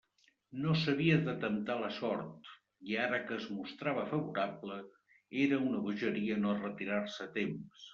No s'havia de temptar la sort; i ara que es mostrava favorable, era una bogeria no retirar-se a temps.